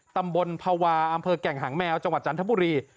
ตำบลภาวะอำเภอแก่งหางแมวจังหวัดจันทบุรี